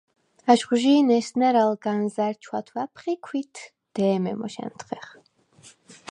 აშხვჟი̄ნ ესნა̈რ ალ განზა̈რ ჩვათვა̈ფხ ი ქვით დე̄მე მოშ ა̈ნთხეხ.